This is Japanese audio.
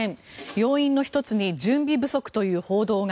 要因の１つに準備不足という報道が。